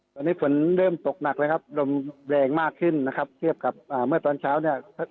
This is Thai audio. ตอนนี้ฝนเริ่มตกหนักเลยครับลมแรงมากขึ้นนะครับเทียบกับอ่าเมื่อตอนเช้าเนี่ย